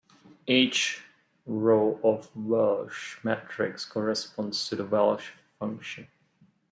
Each row of a Walsh matrix corresponds to a Walsh function.